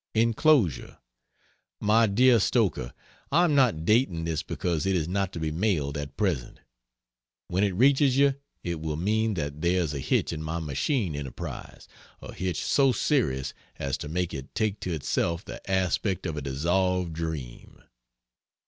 Enclosure: MY DEAR STOKER, I am not dating this because it is not to be mailed at present. When it reaches you it will mean that there is a hitch in my machine enterprise a hitch so serious as to make it take to itself the aspect of a dissolved dream.